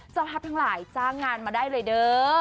เจ้าภาพทั้งหลายจ้างงานมาได้เลยเด้อ